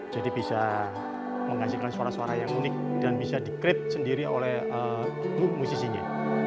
jadi bisa menghasilkan suara suara yang unik dan bisa di create sendiri oleh musisinya